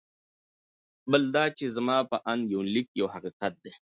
بل دا چې زما په اند یونلیک یو حقیقت دی.